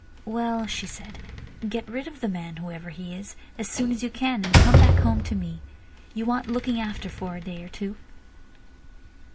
"Well," she said, "get rid of the man, whoever he is, as soon as you can, and come back home to me. You want looking after for a day or two."